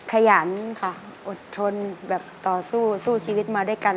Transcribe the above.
ขยันอดทนต่อสู้ชีวิตมาด้วยกัน